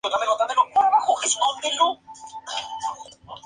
Los adultos tienen alas marrones.